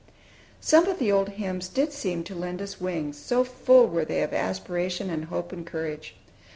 Some of the old hymns did seem to lend us wings, so full were they of aspiration and hope and courage.